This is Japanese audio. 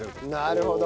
なるほど。